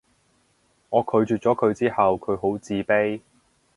我拒絕咗佢之後佢好自卑